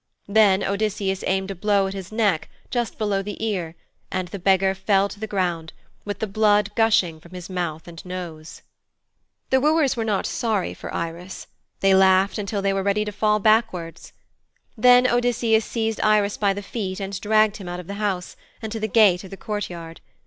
Then Odysseus aimed a blow at his neck, just below the ear, and the beggar fell to the ground, with the blood gushing from his mouth and nose. The wooers were not sorry for Irus. They laughed until they were ready to fall backwards. Then Odysseus seized Irus by the feet, and dragged him out of the house, and to the gate of the courtyard.